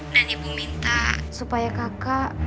dan ibu minta supaya kakak